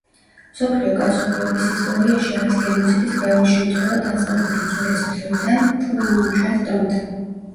მსოფლიო კაცობრიობის ისტორიაში არის გენოციდის ბევრი შემთხვევა დაწყებული უძველესი დროიდან ჩვენს დრომდე.